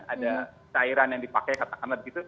ada cairan yang dipakai